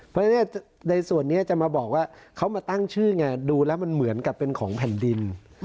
เพราะฉะนั้นในส่วนนี้จะมาบอกว่าเขามาตั้งชื่อไงดูแล้วมันเหมือนกับเป็นของแผ่นดิน